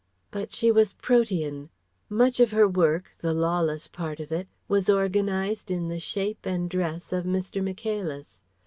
But she was Protean. Much of her work, the lawless part of it, was organized in the shape and dress of Mr. Michaelis.